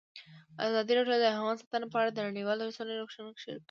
ازادي راډیو د حیوان ساتنه په اړه د نړیوالو رسنیو راپورونه شریک کړي.